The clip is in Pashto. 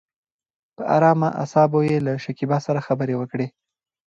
په ارامه اصابو يې له شکيبا سره خبرې وکړې.